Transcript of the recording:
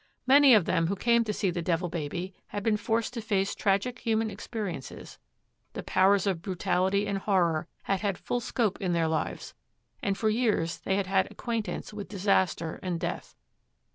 Many of them who came to see the Devil Baby had been forced to face tragic human experiences; the powers of brutality and horror had had full scope in their lives, and for years they had had acquaintance with disaster and death.